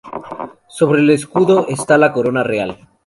Sobre el escudo está la corona real.